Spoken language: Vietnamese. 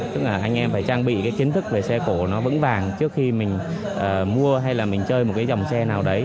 tức là anh em phải trang bị cái kiến thức về xe cổ nó vững vàng trước khi mình mua hay là mình chơi một cái dòng xe nào đấy